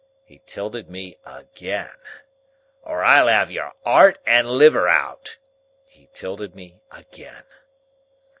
He tilted me again. "Or I'll have your heart and liver out." He tilted me again.